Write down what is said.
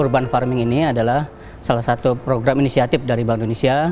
urban farming ini adalah salah satu program inisiatif dari bank indonesia